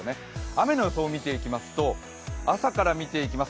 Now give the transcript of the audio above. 雨の予想を見ていきますと、朝から見ていきます。